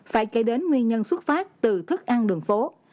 phải kể đến nguyên nhân xuất phát từ thức ăn đường phố